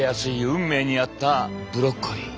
運命にあったブロッコリー。